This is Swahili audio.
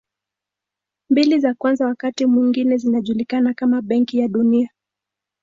Mbili za kwanza wakati mwingine zinajulikana kama Benki ya Dunia.